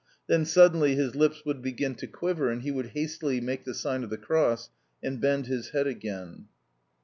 Then suddenly his lips would begin to quiver, and he would hastily make the sign of the cross, and bend his head again.